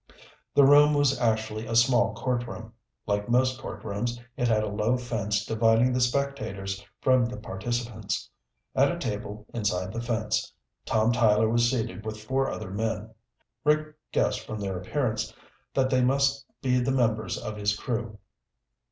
The room was actually a small courtroom. Like most courtrooms, it had a low fence dividing the spectators from the participants. At a table inside the fence, Tom Tyler was seated with four other men. Rick guessed from their appearance that they must be the members of his crew.